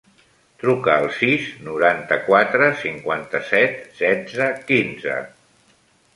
Truca al sis, noranta-quatre, cinquanta-set, setze, quinze.